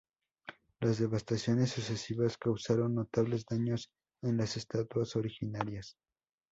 Las devastaciones sucesivas causaron notables daños en las estatuas originarias.